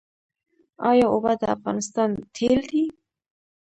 آیا اوبه د افغانستان تیل دي؟